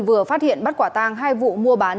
vừa phát hiện bắt quả tang hai vụ mua bán